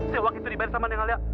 seorang itu dibayar sama aneh ngalya